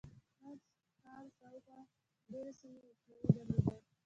هر ښار شاوخوا ډېرو سیمو واکمني درلوده.